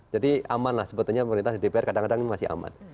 jadi aman lah sebetulnya pemerintah di dpr kadang kadang masih aman